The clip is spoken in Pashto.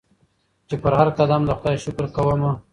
چي پر هرقدم د خدای شکر کومه